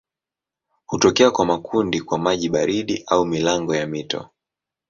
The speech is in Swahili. Hutokea kwa makundi kwa maji baridi au milango ya mito.